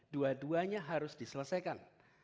dua duanya harus diselesaikan